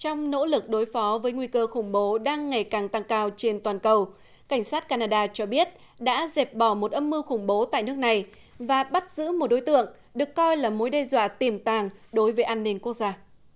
trong nỗ lực đối phó với nguy cơ khủng bố đang ngày càng tăng cao trên toàn cầu cảnh sát canada cho biết đã dẹp bỏ một âm mưu khủng bố tại nước này và bắt giữ một đối tượng được coi là mối đe dọa tiềm tàng đối với an ninh quốc gia